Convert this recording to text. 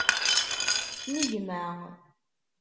N gma.